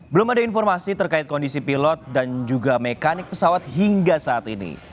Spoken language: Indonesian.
belum ada informasi terkait kondisi pilot dan juga mekanik pesawat hingga saat ini